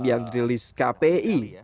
yang dirilis kpi